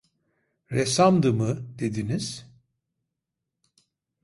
Ressamdı mı dediniz?